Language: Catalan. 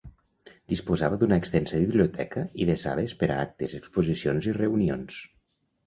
Disposava d'una extensa biblioteca i de sales per a actes, exposicions i reunions.